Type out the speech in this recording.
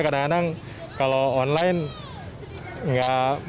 kadang kadang kalau online